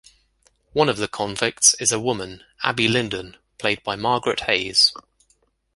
One of the convicts is a woman, Abby Lindon, played by Margaret Hayes.